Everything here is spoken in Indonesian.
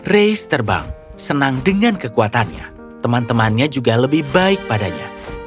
reis terbang senang dengan kekuatannya teman temannya juga lebih baik padanya